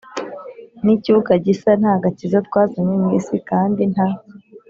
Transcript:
Ni icyuka gisa nta gakiza twazanye mu isi kandi nta